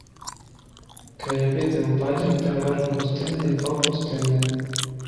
Краявіды ўпадзіны пераважна пустынныя і паўпустынныя.